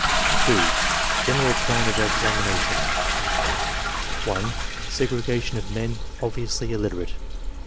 2. GENERAL PLAN OF EXAMINATION (1) Segregation of men obviously illiterate.